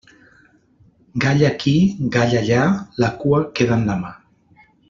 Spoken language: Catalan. Gall aquí, gall allà, la cua queda en la mà.